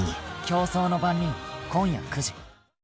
「競争の番人」今夜９時。